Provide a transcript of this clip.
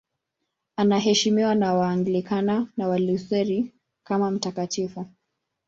Anaheshimiwa na Waanglikana na Walutheri kama mtakatifu.